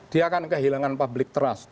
dia akan kehilangan public trust